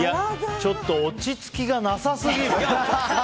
ちょっと落ち着きがなさすぎる。